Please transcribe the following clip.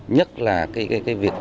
nhất là cái việc hoạt động